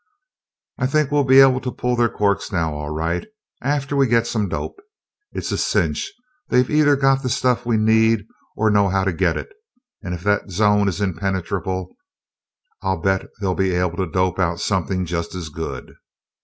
"I think we'll be able to pull their corks now, all right, after we get some dope. It's a cinch they've either got the stuff we need or know how to get it and if that zone is impenetrable, I'll bet they'll be able to dope out something just as good.